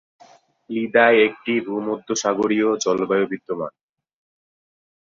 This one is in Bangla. ব্লিদায় একটি ভূমধ্যসাগরীয় জলবায়ু বিদ্যমান।